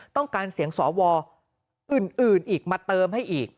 ต้องการเสียงสวอื่นอีกมาเติมให้อีก